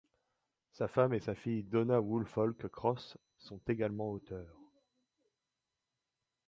Sa femme et sa fille Donna Woolfolk Cross sont également auteures.